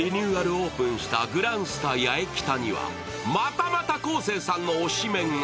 オープンしたグランスタ八重北にはまたまた昴生さんの推し麺が。